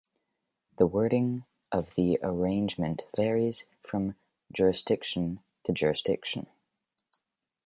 The wording of the arraignment varies from jurisdiction to jurisdiction.